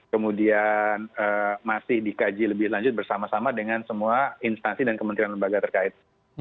kemudian masih dikaji lebih lanjut bersama sama dengan semua instansi dan kementerian lembaga terkait